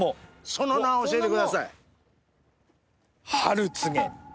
その名を教えてください。